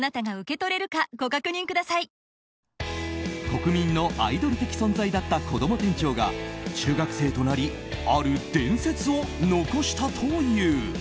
国民のアイドル的存在だったこども店長が中学生となりある伝説を残したという。